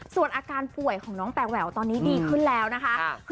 ส่วนอาการป่วยของน้องแปลแหววตอนนี้ดีขึ้นแล้วนะคะ